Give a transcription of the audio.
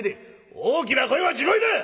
「大きな声は地声だ！」。